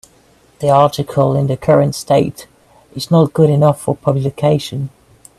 The article in the current state is not good enough for publication.